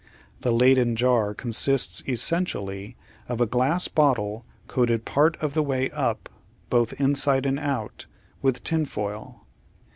The Leyden jar consists essentially of a glass bottle coated part of the way up, both inside and out, with tinfoil.